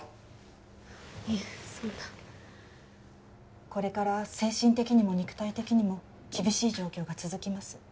いえそんなこれから精神的にも肉体的にも厳しい状況が続きます